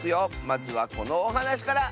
まずはこのおはなしから！